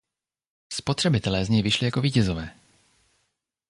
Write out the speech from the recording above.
Spotřebitelé z něj vyšli jako vítězové.